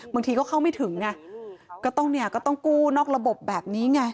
บางทีเขาเข้าไม่ถึงไงก็ต้องกู้นอกระบบแบบนี้ไง